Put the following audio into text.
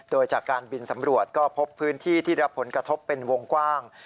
โดยจากการบินสำรวจก็พบพื้นที่ที่รับผลกระทบเป็นวงกว้าง